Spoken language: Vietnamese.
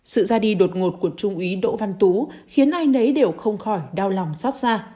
sự ra đi đột ngột của trung úy đỗ văn tú khiến ai nấy đều không khỏi đau lòng xót xa